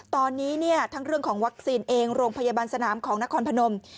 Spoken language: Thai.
ตอนนี้เนี่ยทั้งเรื่องของวัคซีนเองโรงพยาบาลสนามของนครพนม